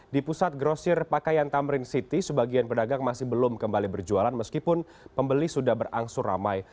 di pusat grosir pakaian tamrin city sebagian pedagang masih belum kembali berjualan meskipun pembeli sudah berangsur ramai